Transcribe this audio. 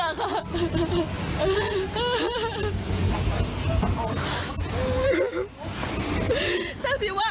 ปูย้ำยากใหม่อยู่บ้างล่ะครับ